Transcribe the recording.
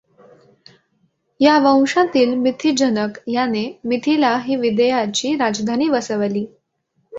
या वंशातील मिथि जनक याने मिथिला ही विदेहाची राजधानी वसवली.